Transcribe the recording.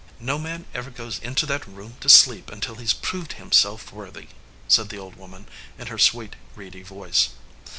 "No man ever goes into that room to sleep until he s proved himself worthy," said the old woman, in her sweet, reedy voice.